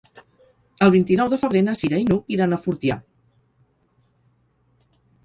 El vint-i-nou de febrer na Cira i n'Hug iran a Fortià.